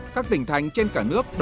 các tỉnh thành trên cả nước